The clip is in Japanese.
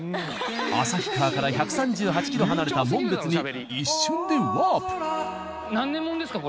旭川から１３８ｋｍ離れた紋別に一瞬でワープ何年もんですか？